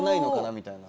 みたいな。